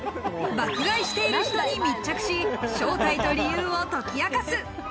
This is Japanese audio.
爆買いしている人に密着し、正体と理由を解き明かす。